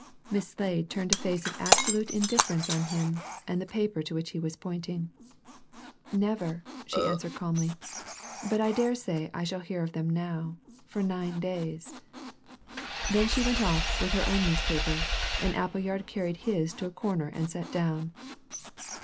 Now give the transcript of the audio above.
Miss Slade turned a face of absolute indifference on him and the paper to which he was pointing. "Never," she answered calmly. "But I daresay I shall hear of them now for nine days." Then she went off, with her own newspaper, and Appleyard carried his to a corner and sat down.